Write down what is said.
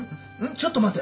ちょっと待て。